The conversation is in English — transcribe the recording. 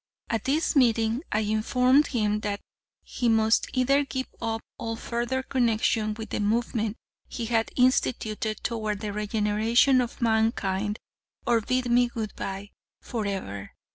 At this meeting, I informed him that he must either give up all further connection with the movement he had instituted toward the regeneration of mankind, or bid me good bye forever.